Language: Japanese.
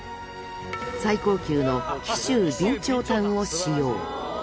最高級の紀州備長炭を使用。